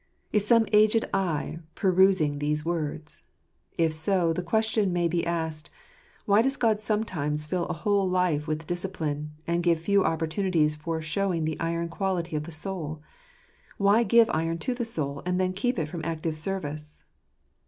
Is some aged eye perusing these words? If so, the question may be asked, Why does God sometimes fill a whole life with discipline, and give few opportunities for showing the iron quality of the soul? Why give iron to the soul, and then keep it from active service?